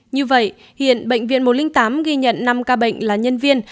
như vậy hiện bệnh viện một trăm linh tám ghi nhận năm ca bệnh là nhân viên